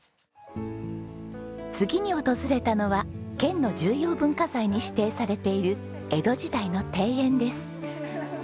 次に訪れたのは県の重要文化財に指定されている江戸時代の庭園です。